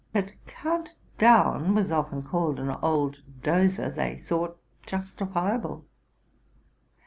"Phat Count Daun was often called an old dozer, they thought justifiable.